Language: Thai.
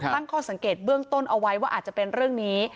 ตั้งข้อสังเกตเบื้องต้นเอาไว้ว่าอาจจะเป็นเรื่องนี้